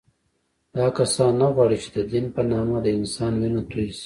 دا کسان نه غواړي چې د دین په نامه د انسان وینه تویه شي